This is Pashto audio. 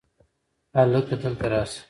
هلکه! دلته راشه!